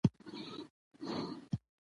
ښوونځی د راتلونکي لپاره لار هواروي